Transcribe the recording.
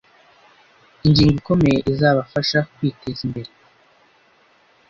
ingingo ikomeye izabafasha kwiteza imbere